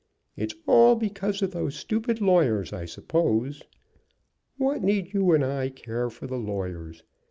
It's all because of those stupid lawyers, I suppose. What need you and I care for the lawyers?